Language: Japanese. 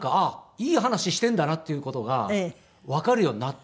いい話しているんだなっていう事がわかるようになったので。